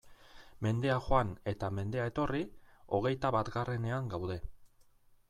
Mendea joan eta mendea etorri, hogeita batgarrenean gaude!